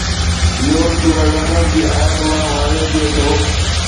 اهو سوره زخرف جي آيت مان واضح ٿئي ٿو